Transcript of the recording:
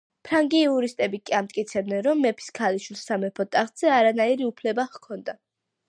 ფრანგი იურისტები კი ამტკიცებდნენ, რომ მეფის ქალიშვილს სამეფო ტახტზე არანაირი უფლება ჰქონდა.